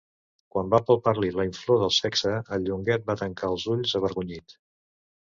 Quan va palpar-li la inflor del sexe el Llonguet va tancar els ulls, avergonyit.